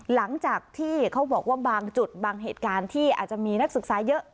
หลังจากที่เขาบอกว่าบางจุดบางเหตุการณ์ที่อาจจะมีนักศึกษาเยอะ